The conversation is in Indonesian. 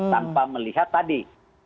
tanpa melihat tadi